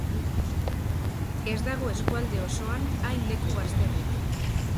Ez dago eskualde osoan hain leku bazterrik.